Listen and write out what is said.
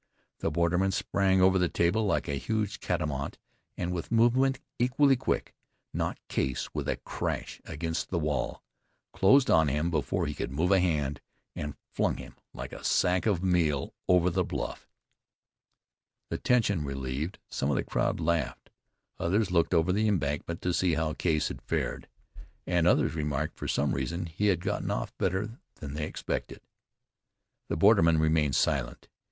The borderman sprang over the table like a huge catamount, and with movement equally quick, knocked Case with a crash against the wall; closed on him before he could move a hand, and flung him like a sack of meal over the bluff. The tension relieved, some of the crowd laughed, others looked over the embankment to see how Case had fared, and others remarked that for some reason he had gotten off better than they expected. The borderman remained silent.